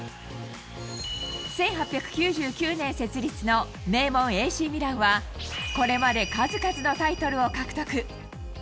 １８９９年設立の名門ＡＣミランは、これまで数々のタイトルを獲得。